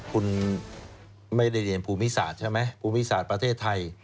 คุณไม่ได้เรียนภูมิศาสตร์ใช่ไหมภูมิศาสตร์ประเทศไทย